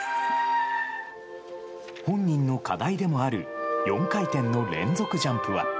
本人の課題でもある４回転の連続ジャンプは。